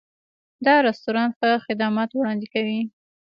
دا رستورانت ښه خدمات وړاندې کوي.